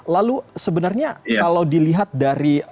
lalu sebenarnya kalau dilihat dari